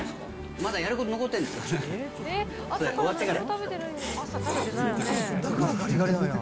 まだやること残ってるんですよ、終わってから。